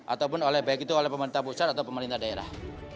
ataupun baik itu oleh pemerintah pusat atau pemerintah daerah